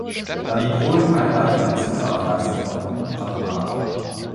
Da die Polen keinerlei Tradition aufweisen konnten, hat Mag.